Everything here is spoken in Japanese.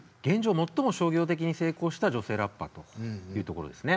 最も商業的に成功した女性ラッパーというところですね。